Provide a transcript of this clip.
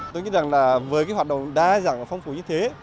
tôi nghĩ rằng là với cái hoạt động đa dạng và phong phú như thế